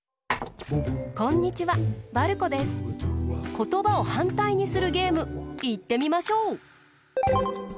ことばをはんたいにするゲームいってみましょう！